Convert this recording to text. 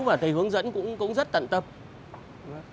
và thầy hướng dẫn cũng rất tận tâm